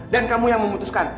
dan kamu yang memutuskan